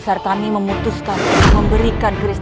saya akan selalu untuk kembali adalah berikut